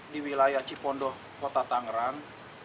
di wilayah cipondoh kota tanggerang